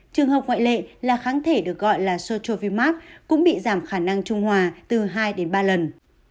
trường học ngoại lệ là kháng thể được gọi là sochovimax cũng bị giảm khả năng trung hòa từ hai đến ba lần